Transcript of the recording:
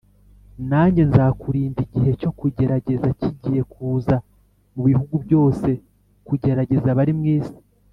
nanjye nzakurinda igihe cyo kugerageza kigiye kuza mu bihugu byose kugerageza abari mu isi.